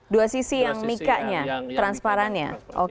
dua sisi yang mikanya transparannya